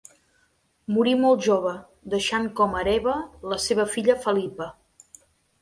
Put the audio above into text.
Morí molt jove, deixant com a hereva la seva filla Felipa.